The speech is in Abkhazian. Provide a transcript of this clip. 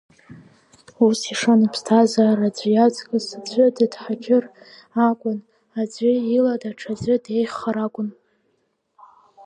Ус ишан аԥсҭазаара аӡәы иаҵкыс аӡәы дыҭхаџьыр акәын, аӡәы ила даҽаӡәы деиӷьхар акәын.